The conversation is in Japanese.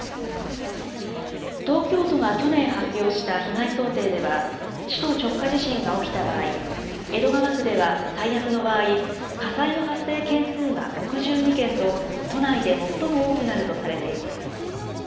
東京都が去年発表した被害想定では、首都直下地震が起きた場合、江戸川区では最悪の場合、火災の発生件数が６２件と、都内で最も多くなるとされています。